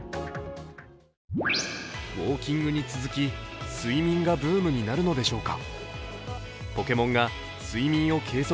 ウォーキングに続き、睡眠がブームになるのでしょうか。